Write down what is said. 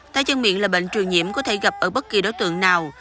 tay chân miệng là bệnh trường nhiễm có thể gặp ở bất kỳ đối tượng nào